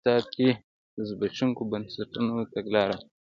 په کرنیز اقتصاد کې د زبېښونکو بنسټونو تګلاره وه.